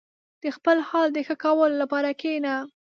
• د خپل حال د ښه کولو لپاره کښېنه.